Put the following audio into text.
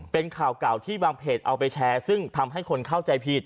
เป็นข่าวเก่าที่บางเพจเอาไปแชร์ซึ่งทำให้คนเข้าใจผิด